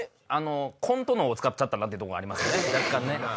コント脳を使っちゃったなってとこがありますね若干ね。